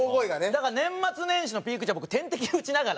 だから年末年始のピーク時は僕点滴打ちながら。